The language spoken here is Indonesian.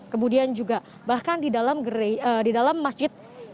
kemudian juga bahkan di dalam masjid